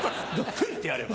フンってやれば。